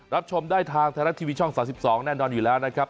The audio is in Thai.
ชมได้ทางไทยรัฐทีวีช่อง๓๒แน่นอนอยู่แล้วนะครับ